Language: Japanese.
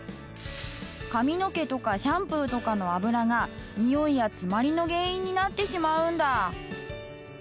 髪の毛とかシャンプーとかの油がにおいや詰まりの原因になってしまうんだ。